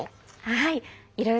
はい。